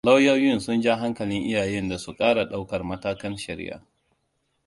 Lauyoyin sun ja hankali iyayen da su ƙara ɗaukar matakin shari'a.